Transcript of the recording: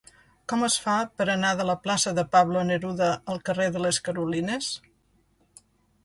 Com es fa per anar de la plaça de Pablo Neruda al carrer de les Carolines?